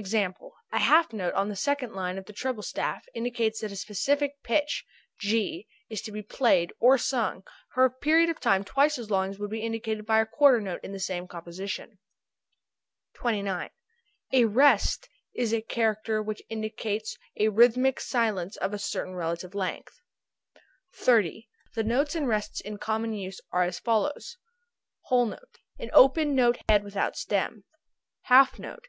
_, a half note on the second line of the treble staff indicates that a specific pitch (g') is to be played or sung for a period of time twice as long as would be indicated by a quarter note in the same composition. 29. A rest is a character which indicates a rhythmic silence of a certain relative length. 30. The notes and rests in common use are as follows: [symbol] Whole note. An open note head without stem. [symbol] Half note.